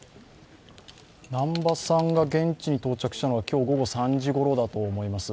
南波さんが現地に到着したのが今日、午後３時ごろだと思います。